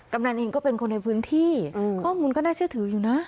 กำนันเองก็เป็นคนในพื้นที่ข้อมูลก็น่าเชื่อถืออยู่นะ